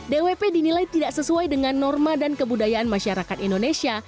dwp dinilai tidak sesuai dengan norma dan kebudayaan masyarakat indonesia